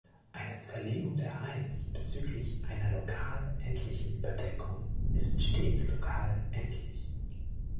Eine Zerlegung der Eins bezüglich einer lokal endlichen Überdeckung ist stets lokal endlich.